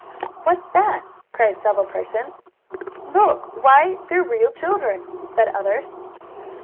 "What's that?" cried several persons. "Look! Why they're real children!" said others.